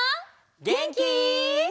げんき？